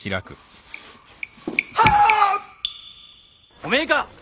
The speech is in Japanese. おめえか？